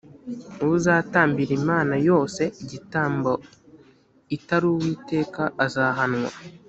uzatambira imana yose igitambo itari uwiteka , azahanwa